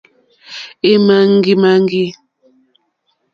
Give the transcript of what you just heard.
Èmàŋɡìmàŋɡì.